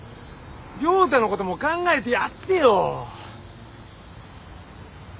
亮太のことも考えてやってよ。